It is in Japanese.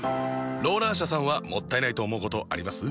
ローラー車さんはもったいないと思うことあります？